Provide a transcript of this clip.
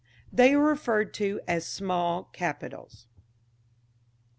They are referred to as small capitals.